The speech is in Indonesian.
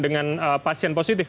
dengan dengan pasien positif